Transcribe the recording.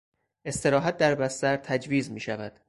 استراحت در بستر تجویز میشود.